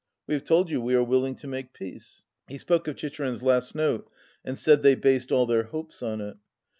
We have told you we are willing to make peace.' " He spoke of Chicherin's last note, and said they based all their hopes on it.